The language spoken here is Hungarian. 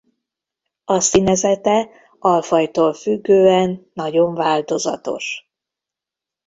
A színezete alfajtól függően nagyon változatos.